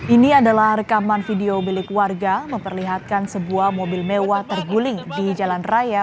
ini adalah rekaman video milik warga memperlihatkan sebuah mobil mewah terguling di jalan raya